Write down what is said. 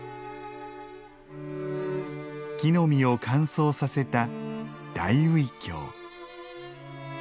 木の実を乾燥させた「大茴香」。